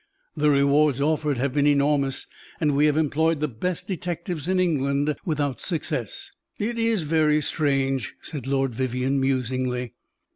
"The rewards offered have been enormous, and we have employed the best detectives in England, without success." "It is very strange," said Lord Vivianne, musingly.